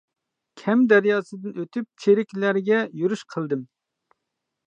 كەم دەرياسىدىن ئۆتۈپ چېرىكلەرگە يۈرۈش قىلدىم.